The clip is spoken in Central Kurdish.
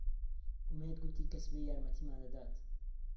ئومێد گوتی کە سبەی یارمەتیمان دەدات.